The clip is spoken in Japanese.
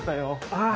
ああ。